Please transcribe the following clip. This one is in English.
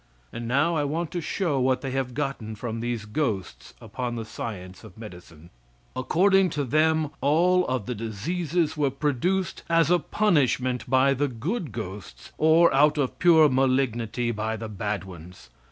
And now I want to show what they have gotten from these ghosts upon the science of medicine. According to them, all of the diseases were produced as a punishment by the good ghosts, or out of pure malignity by the bad ones.